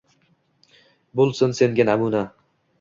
Bo’lsin senga namuna…»